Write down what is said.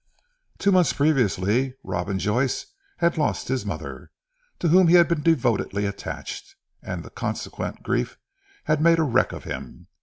Two months previously, Robin Joyce had lost his mother, to whom he had been devotedly attached: and the consequent grief had made a wreck of him.